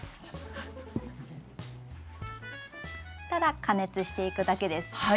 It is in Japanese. そしたら加熱していくだけです。